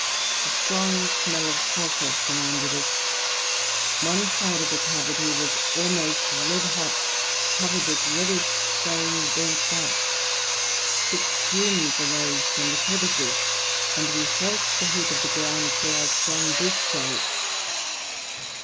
<A strong smell of sulphur surrounded us; one side of the c avity was almost red hot, covered with reddish stone burnt white; thick fumes arose from the crevices, and we felt the heat of the ground through our strong boot soles.